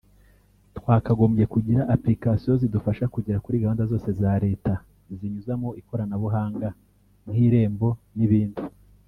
twakagombye kugira ‘applications’ zidufasha kugera kuri gahunda zose za Leta zinyuzwa mu ikoranabuhanga nk’irembo n’ibindi”